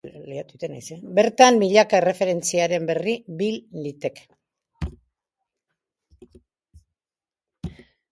Bertan, milaka erreferentziaren berri bil liteke.